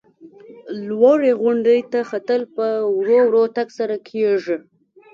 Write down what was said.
لوړې غونډۍ ته ختل په ورو ورو تګ سره کېږي.